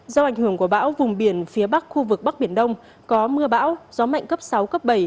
do ảnh hưởng của bão vùng biển phía bắc khu vực bắc biển đông có mưa bão gió mạnh cấp sáu cấp bảy